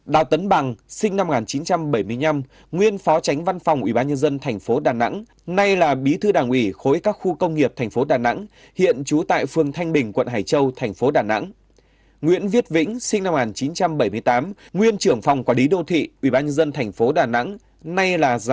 đào tấn bằng sinh năm một nghìn chín trăm bảy mươi năm nguyên phó tránh văn phòng ủy ban nhân dân tp đà nẵng